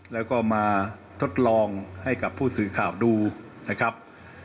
แล้วก็มาทดลองให้กับผู้สื่อข่าวดูนะครับ